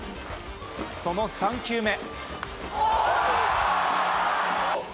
その３球目。